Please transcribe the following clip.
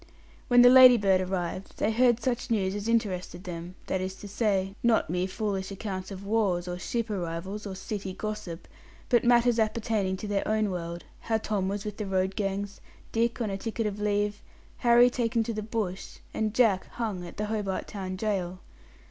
When the Ladybird arrived, they heard such news as interested them that is to say, not mere foolish accounts of wars or ship arrivals, or city gossip, but matters appertaining to their own world how Tom was with the road gangs, Dick on a ticket of leave, Harry taken to the bush, and Jack hung at the Hobart Town Gaol.